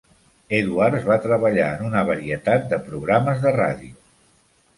Edwards va treballar en una varietat de programes de ràdio.